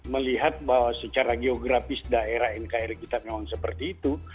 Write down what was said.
melihat bahwa secara geografis daerah nkri kita memang seperti itu